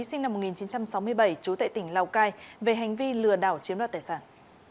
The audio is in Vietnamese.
sinh năm một nghìn chín trăm sáu mươi bảy chú tệ tỉnh lào cai về hành vi lừa đảo chiếm đoạt tài sản